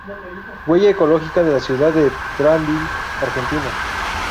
Huella ecológica de la ciudad de Tandil, Argentina.